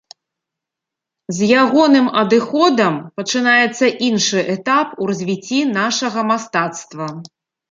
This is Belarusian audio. З ягоным адыходам пачынаецца іншы этап у развіцці нашага мастацтва.